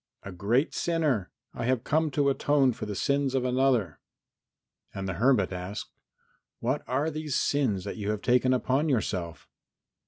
"A great sinner. I have come to atone for the sins of another." And the hermit asked, "What are these sins you have taken upon yourself?"